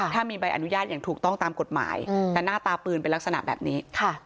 ถ้ามีใบอนุญาตอย่างถูกต้องตามกฎหมายแต่หน้าตาปืนเป็นลักษณะแบบนี้